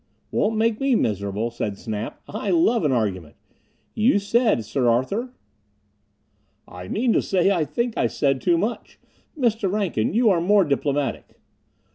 "Won't make me miserable," said Snap. "I love an argument. You said, Sir Arthur?... "I mean to say, I think I said too much. Mr. Rankin, you are more diplomatic."